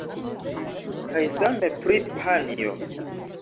Kaj same pri panjo.